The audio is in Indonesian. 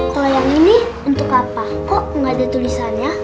kalo yang ini untuk apa